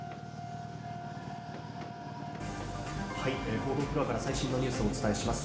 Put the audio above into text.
報道フロアから最新のニュースをお伝えします。